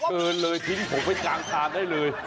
กลืนเลยทิ้งผมไปจังการได้เลย